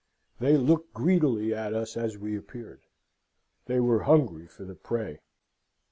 They looked greedily at us as we appeared. They were hungry for the prey.